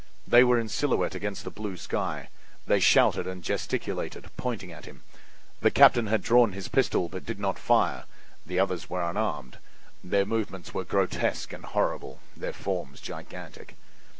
They were in silhouette against the blue sky. They shouted and gesticulated, pointing at him. The captain had drawn his pistol, but did not fire; the others were unarmed. Their movements were grotesque and horrible, their forms gigantic.